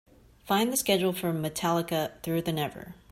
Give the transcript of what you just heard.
Find the schedule for Metallica Through the Never.